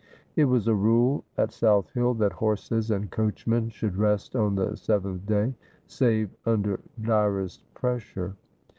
It was a rule at 8outh Hill that horses and coachmen should rest on the seventh day, save under direst pres sure.